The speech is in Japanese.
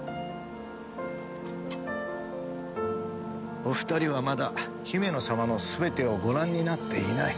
お二人はまだヒメノ様の全てをご覧になっていない。